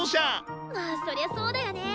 まあそりゃそうだよね。